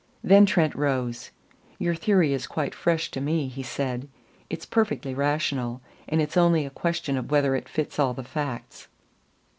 Then Trent rose. "Your theory is quite fresh to me," he said. "It's perfectly rational, and it's only a question of whether it fits all the facts.